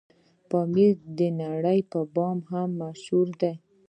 پامير دنړۍ په بام هم مشهور دی